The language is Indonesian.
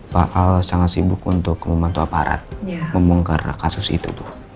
pak al sangat sibuk untuk membantu aparat membongkar kasus itu